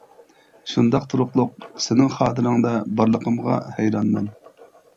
شۇنداق تۇرۇقلۇق سېنىڭ خاتىرەڭدە بارلىقىمغا ھەيرانمەن.